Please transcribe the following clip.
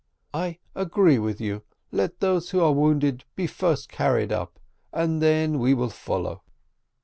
"I agree with you; let those who are wounded be first carried up, and then we will follow."